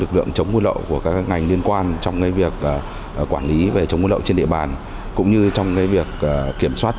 lực lượng hải quan đang nỗ lực kiểm soát góp phần bình ổn giá cả thị trường